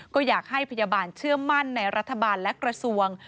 ก็อยากให้พยาบาลเชื่อมั่นในรัฐบาลและกระทรวง